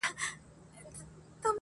o او ستا پر قبر به.